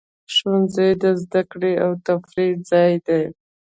ښوونځی د زده کړې او تفریح ځای دی.